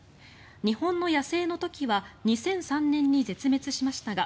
日本の野生のトキは２００３年に絶滅しましたが